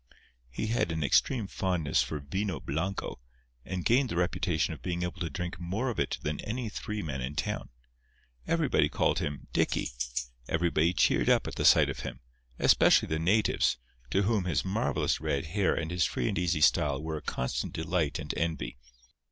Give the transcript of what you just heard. He had an extreme fondness for vino blanco, and gained the reputation of being able to drink more of it than any three men in town. Everybody called him "Dicky"; everybody cheered up at the sight of him—especially the natives, to whom his marvellous red hair and his free and easy style were a constant delight and envy.